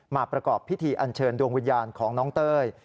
มาประกอบพิธีอันเชิญดวงวิญญาณของน้องเต้ย